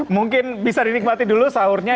mungkin bisa dinikmati dulu sahurnya